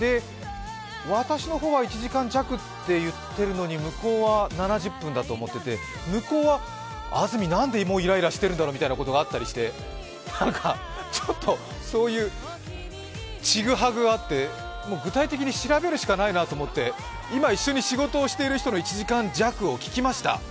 私の方は１時間弱って言ってるのに向こうは７０分だと思っていて向こうは安住なんでもうイライラしてるんだろうみたいなことがあったりして何か、ちょっとそういうちぐはぐあって、具体的に調べるしかないなと思って今、一緒に仕事をしている人の１時間弱を聞きました。